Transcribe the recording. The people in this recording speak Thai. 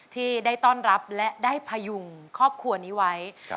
ที่ได้ต้อนรับและได้พยุงครอบครัวนี้ไว้